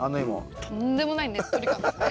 とんでもないねっとり感ですね。